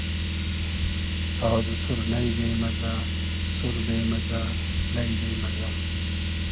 ساز و سورنݷ بې مئزۂ, سور بې مئزۂ ,لݷ بې مئزۂ